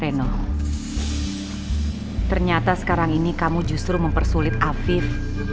ternyata sekarang ini kamu justru mempersulit afif